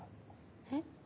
えっ？